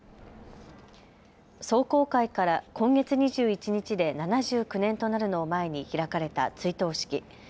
壮行会から今月２１日で７９年となるのを前に開かれた追悼式。